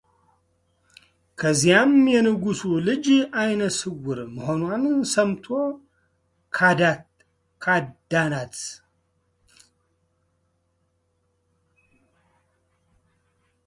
ከዚያም የንጉሱ ልጅ አይነ ስውር መሆኗን ሰምቶ ካዳናት በኋላ አገባት፡፡